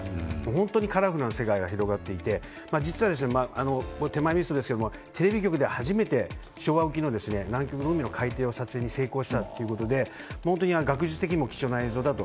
本当にカラフルな世界が広がっていて実は、手前味噌ですがテレビ局で初めて昭和沖の南極の海の海底の撮影に成功したということで本当に学術的にも貴重な映像だと。